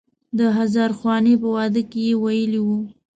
د هزار خوانې په واده کې یې ویلی و.